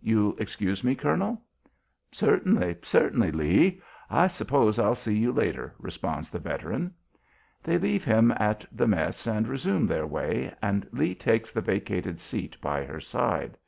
You'll excuse me, colonel?" "Certainly, certainly, Lee. I suppose I'll see you later," responds the veteran. They leave him at the Mess and resume their way, and Lee takes the vacated seat by her side.